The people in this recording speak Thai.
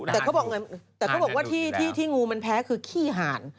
แต่เขาบอกไงแต่เขาบอกว่าที่งูมันแพ้คือขี้หาร